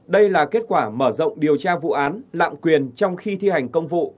đây là kết quả mở rộng điều tra vụ án lạm quyền trong khi thi hành công vụ